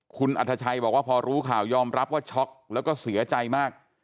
คุณอัธชัยบอกว่าพอรู้ข่าวยอมรับว่าช็อกแล้วก็เสียใจมาก